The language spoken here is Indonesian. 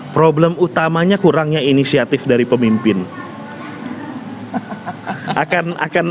problem utamanya kurangnya inisiatif dari pemimpin